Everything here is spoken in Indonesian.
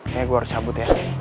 kayaknya gue harus cabut ya